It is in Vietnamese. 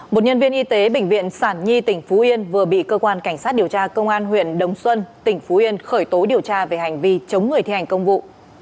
một nhân viên y tế bệnh viện sản nhi tỉnh phú yên vừa bị cơ quan cảnh sát điều tra công an huyện đồng xuân tỉnh phú yên khởi tố điều tra về hành vi chống người thi hành công vụ